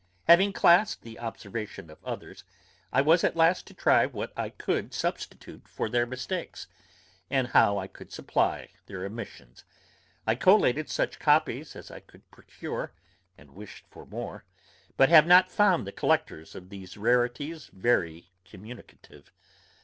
Having classed the observations of others, I was at last to try what I could substitute for their mistakes, and how I could supply their omissions. I collated such copies as I could procure, and wished for more, but have not found the collectors of these rarities very communicative.